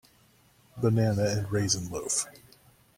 Banana and raisin loaf.